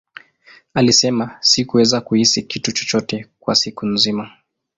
Alisema, Sikuweza kuhisi kitu chochote kwa siku nzima.